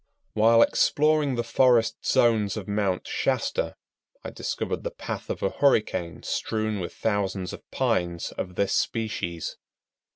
While exploring the forest zones of Mount Shasta, I discovered the path of a hurricane strewn with thousands of pines of this species.